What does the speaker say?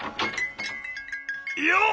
「よっ！